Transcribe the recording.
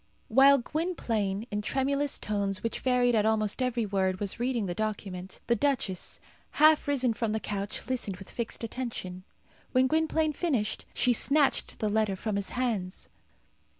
While Gwynplaine, in tremulous tones which varied at almost every word, was reading the document, the duchess, half risen from the couch, listened with fixed attention. When Gwynplaine finished, she snatched the letter from his hands.